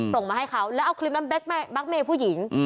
ส่งมาให้เขาแล้วเอาคลิปนั้นแก๊กเมย์ผู้หญิง